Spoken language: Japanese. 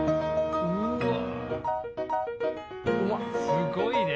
すごいね。